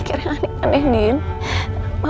aku soal jangan jadi begini